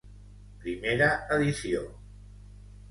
Primera edició.